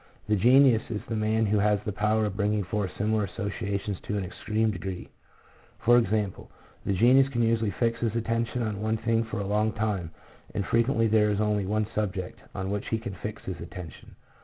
The genius is the man who has the power of bringing forth similar associations to an extreme degree — i.e., the genius can usually fix his attention on one thing for a long time, and frequently there is only one subject on which he can fix his attention.